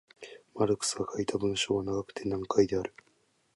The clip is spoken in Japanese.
マルクスが書いた文章は長くて難解である。